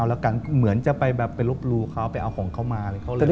พี่แจ๊คไปพูดว่าแม้ถ้าของขาด